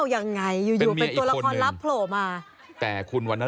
ยังไงอยู่เป็นตัวละครลับโผล่มาเป็นเมียอีกคนนึง